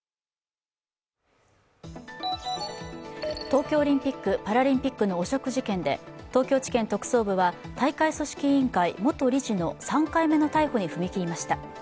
東京オリンピック・パラリンピックの汚職事件で東京地検特捜部は大会組織委員会元理事の３回目の逮捕に踏み切りました。